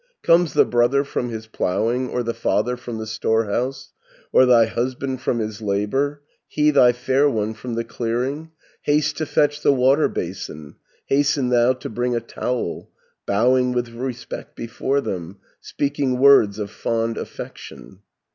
"Comes the brother from his ploughing, Or the father from the storehouse, Or thy husband from his labour, He, thy fair one, from the clearing, Haste to fetch the water basin, Hasten thou to bring a towel, Bowing with respect before them, Speaking words of fond affection.